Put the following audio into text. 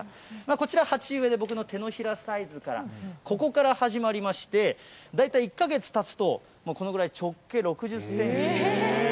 こちら、鉢植えで僕の手のひらサイズから、ここから始まりまして、大体１か月たつと、このぐらい、直径６０センチぐらいなんですね。